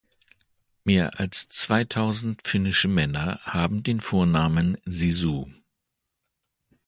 Mehr als zweitausend finnische Männer haben den Vornamen „Sisu“.